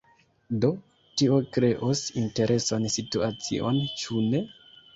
Do, tio kreos interesan situacion, ĉu ne?